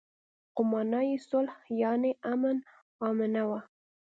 خو مانا يې صلح يانې امن آمنه وه.